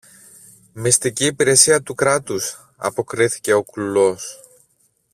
Μυστική υπηρεσία του Κράτους, αποκρίθηκε ο κουλός.